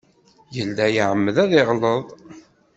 Yella iεemmed ad yeɣleḍ.